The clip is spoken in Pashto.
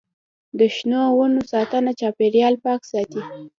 د شنو ونو ساتنه چاپیریال پاک ساتي.